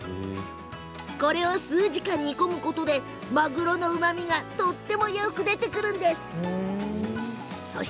これを数時間、煮込むことでマグロのうまみがとってもよく出てくるんだそう。